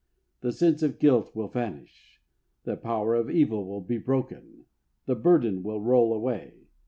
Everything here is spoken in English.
The sense of guilt will vanish. The power of evil will be broken. The burden will roll away.